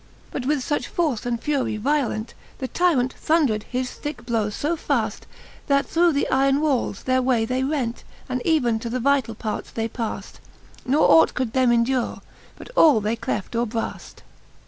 But with fuch force and furie violent, The tyrant thundred his thicke blowes fb faft. That through the yron walles their way they rent,, And even to the vitall parts they paft, Ke ought could them endure, but all they cleft or braft.